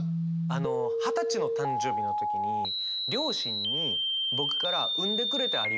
あの二十歳の誕生日の時に両親に僕から「産んでくれてありがとう」ってメールをしたんですよ。